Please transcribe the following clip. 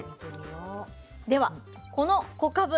ではこの小かぶ。